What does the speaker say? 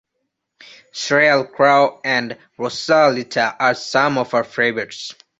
Sheryl Crow and Rosalita are some of her favorites.